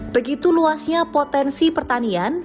begitu luasnya potensi pertanian